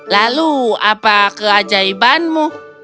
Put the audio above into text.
lalu apa keajaibanmu